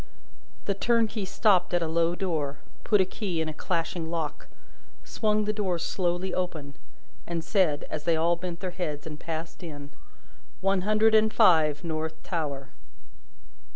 The turnkey stopped at a low door, put a key in a clashing lock, swung the door slowly open, and said, as they all bent their heads and passed in: "One hundred and five, North Tower!"